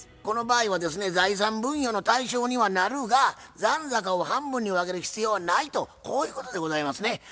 この場合はですね財産分与の対象にはなるが残高を半分に分ける必要はないとこういうことでございますね。